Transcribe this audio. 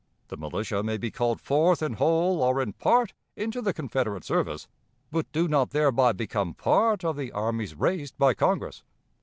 The militia may be called forth in whole or in part into the Confederate service, but do not thereby become part of the 'armies raised' by Congress.